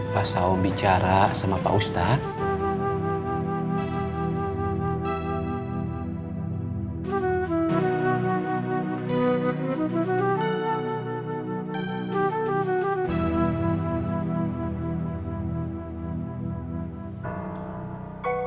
pasal bicara sama pak ustadz